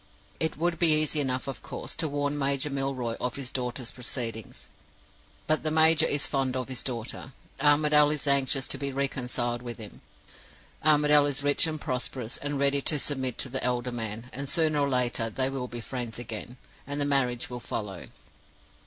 It would be easy enough, of course, to warn Major Milroy of his daughter's proceedings. But the major is fond of his daughter; Armadale is anxious to be reconciled with him; Armadale is rich and prosperous, and ready to submit to the elder man; and sooner or later they will be friends again, and the marriage will follow.